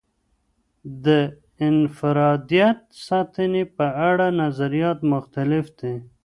د انفرادیت ساتنې په اړه نظریات مختلف دي.